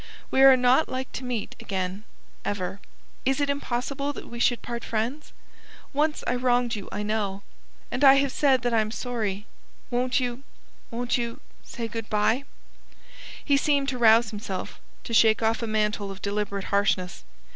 We are not like to meet again ever. Is it impossible that we should part friends? Once I wronged you, I know. And I have said that I am sorry. Won't you... won't you say 'good bye'?" He seemed to rouse himself, to shake off a mantle of deliberate harshness.